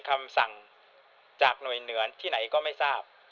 คำสั่งจากหน่วยเหนือที่ไหนก็ไม่ทราบ